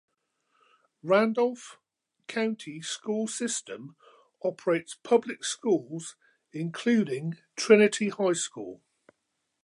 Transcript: Randolph County School System operates public schools including Trinity High School.